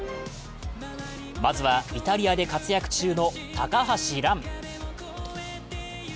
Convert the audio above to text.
まずはイタリアで活躍中の高橋藍。